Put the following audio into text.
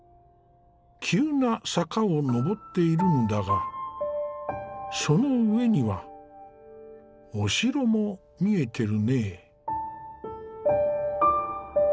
急な坂を上っているんだがその上にはお城も見えてるね。